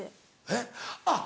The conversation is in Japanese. えっ？あっ。